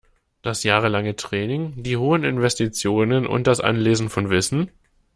Das jahrelange Training, die hohen Investitionen und das Anlesen von Wissen?